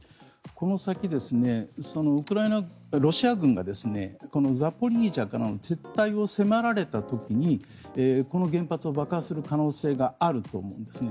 この先、ロシア軍がザポリージャからの撤退を迫られた時にこの原発を爆破する可能性があると思うんですね。